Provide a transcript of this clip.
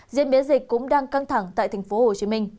diễn biến dịch cũng đang căng thẳng tại tp hcm